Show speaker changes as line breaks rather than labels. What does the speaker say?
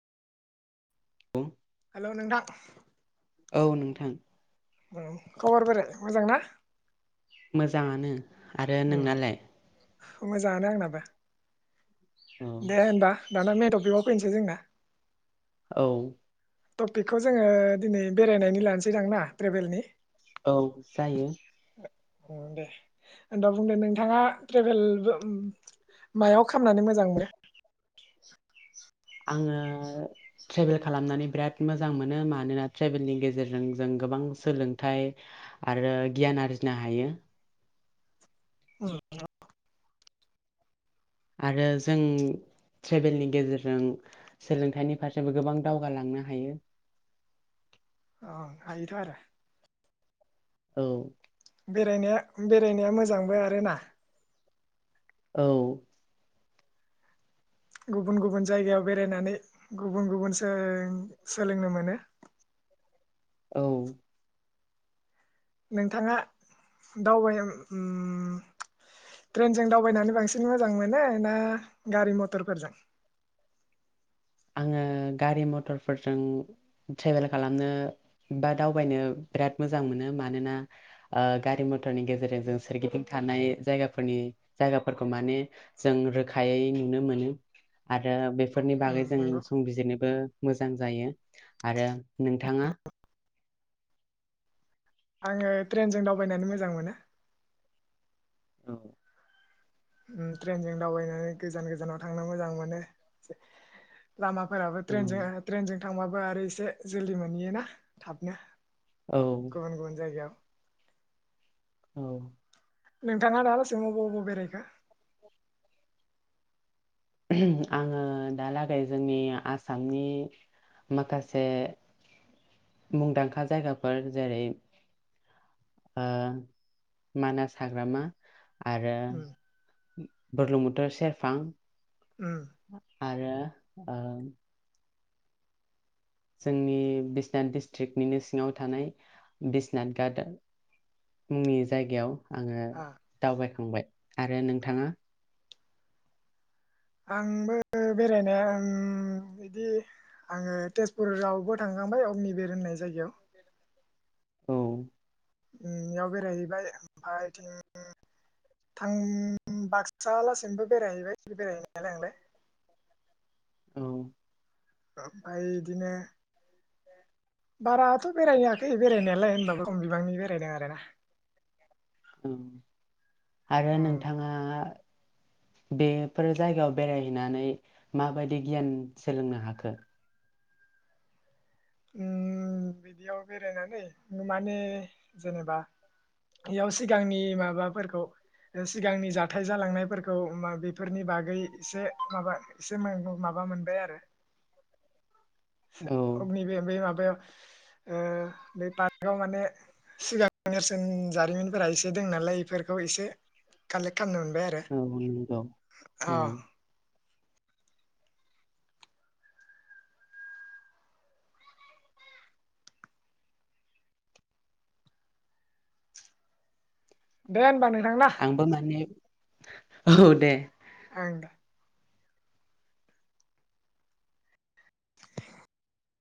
औ
हेल' नोंथां
औ नोंथां
खबर फोरा मोजां ना
मोजाङानो आरो
उम
नोंनालाय
मोजाङानो आंनाबो
औ
दे होनबा दाना मेनटपिकआव फैनोसै जोंना
औ
टपिकखौ जोङो दिनै बेरायनायनि लानोसै दां ना ट्रेभेलनि
औ जायो
दे होनबा बुंदो नोंथाङा ट्रेभेलबो मायाव खालामनानै मोजां मोनो
आङो ट्रेभेल खालामनानै बिराद मोजां मोनो मानोना ट्रेभेलनि गेजेरजों जों गोबां सोलोंथाइ आरो गियान आरजिनो हायो
[unintelligible]
आरो जों ट्रेबेलनि गेजेरजों सोलोंथाइनि फारसेबो गोबां दावगालांनो हायो
अ हायोथ'आरो
औ
बेरायनाया बेरायनाया मोजांबो आरोना
औ
गुबुन गुबुन जायगायाव बेरायनानै गुबुन गुबुन सोलोंनो मोनो
औ
नोंथाङा दावबाय उम ट्रेनजों दावबायनानै बांसिन मोजां मोनो ना गारि मटरफोरजों?
आङो गारि मटरफोरजों ट्रेभेल खालामनो बा दावबायनो बिराद मोजां मोनो मानोना ओ गारि मटरनि गेजेरजों जों सोरगिदिं थानाय जायगाफोरनि जायगाफोरखौ माने जों रोखायै नुनो मोनो आरो बेफोरनि बा
उम
जों
नंगौ
संबिजिरनो बो मोजां जायो आरो नोंथाङा
आङो ट्रेनजों दावबायनानै मोजां मोनो।
औ
उम ट्रेनजों दावबायनानै गोजान गोजानाव थांनो मोजां मोनो एसे लामाफोराबो ट्रेनजों ओ ट्रेनजों थांबाबो आरो एसे जोलदि मोनहैयोना थाबनो।
औ
गुबुन गुबुन जायगायाव
औ
नोंथाङा दालासिम बबाव बबाव बेरायखो?
उम आङो दालागै जोंनि आसामनि माखासे मुंदांखा जायगाफोर जेरै ओ मानास हाग्रामा आरो।
उम
बोरलुं बोथोर सेरफां।
उम।
आरो ओ। जोंनि बिसनाथ डिस्ट्रिक्निनो सिङाव थानाय बिसनाथ गाट मुंनि जायगायाव आङो
आ
दावबाय थांबाय आरो नोंथाङा।
आंबो बेरायनाया उम बिदि आङो तेजपुरावबो थांखांबाय अमनि बेर होननाय जायगायाव
औ।
उम बेयाव बेरायहैबाय ओमफाय बिथिं थां बाक्सा लासिमबो बेरायहैबाय बेरायहैनायालाय आंलाय
औ।
ओमफाय इदिनो बाराथ' बेरायाखै बेरायनायालाय होनबाबो खम बिबांनि बेरायदों आरोना
औ आरो
उम।
नोंथाङा बेफोर जायगायाव बेरायहैनानै माबायदि गियान सोलोंनो हाखो?
उम बिदियाव बेरायनानै माने जेनेबा इयाव सिगांनि माबाफोरखौ सिगांनि जाथाय जालांनायफोरखौ बेफोरनि बागै एसे माबा एसे माबा मोनबाय आरो।
औ
अग्नि बे बे माबा ओ बे पार्कआव माने सिगां नेरसोन जारिमिनफोरा इसे दों नालाय इफोरखौ से कालेक्ट खामनो मोन
औ नोंगौ औ।
दे होनबा नों
आंबो माने। औ दे।
आ दा।